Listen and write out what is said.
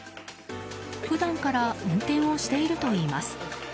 普段から運転をしているといいます。